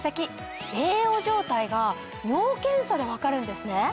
栄養状態が尿検査で分かるんですね？